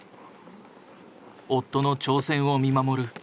夫の挑戦を見守る。